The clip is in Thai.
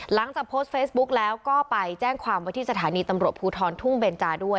หลังจากโพสต์เฟซบุ๊กแล้วก็ไปแจ้งความว่าที่สถานีตำรวจภูทรทุ่งเบนจาด้วย